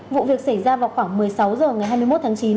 vụ việc xảy ra vào khoảng một mươi sáu h ngày hai mươi một tháng chín